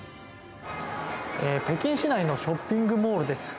北京市内のショッピングモールです。